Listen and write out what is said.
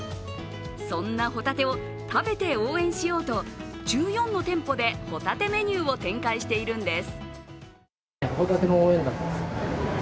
そんなホタテを食べて応援しようと１４の店舗でホタテメニューを展開しているんです。